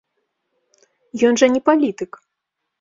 Ён жа не палітык!